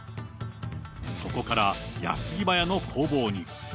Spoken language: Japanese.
そこから矢継ぎ早の攻防に。